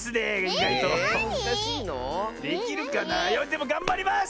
でもがんばります！